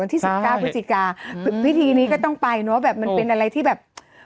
วันที่สิบเก้าพฤติกาพฤตินี้ก็ต้องไปเนอะแบบมันเป็นอะไรที่แบบ